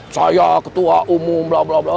saya ketua umum bla bla bla